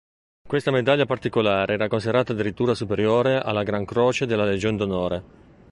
Questa medaglia particolare era considerata addirittura superiore alla Gran croce della Legion d'Onore.